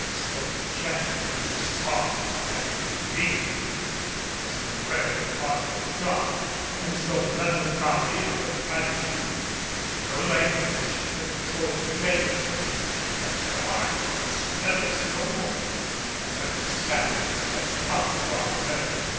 So gentle, soft and lingering was the word upon her tongue and so melancholy her attitude, no language could have told plainer that her heart was hers no more and that a sadness had come upon her.